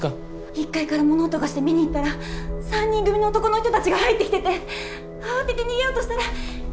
１階から物音がして見に行ったら３人組の男の人たちが入ってきてて慌てて逃げようとしたら４人目の男の人が現れて。